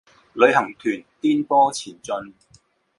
旅行團顛簸前進